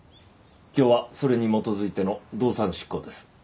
今日はそれに基づいての動産執行です。